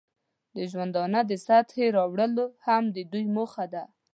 د ژوندانه د سطحې لوړول هم د دوی موخه ده.